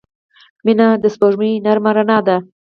• مینه د سپوږمۍ نرمه رڼا ده.